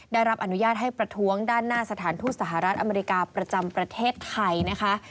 ได้รับอนุญาตให้ประท้วงด้านหน้าสถานทูตสหรัฐอเมริกาประจำประเทศไทยนะคะ